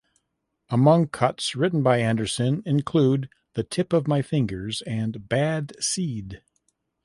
Among cuts written by Anderson included "The Tip of My Fingers" and "Bad Seed".